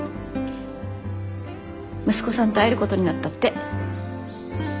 息子さんと会えることになったって。